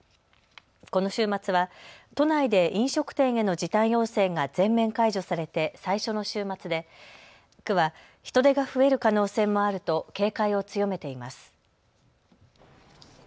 この週末は都内で飲食店への時短要請が全面解除されて最初の週末で区は人出が増える可能性もあると警戒を強めています。